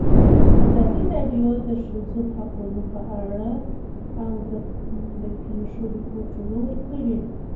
ازادي راډیو د د ښځو حقونه په اړه د پېښو رپوټونه ورکړي.